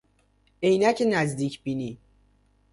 عینک نزدیک بینی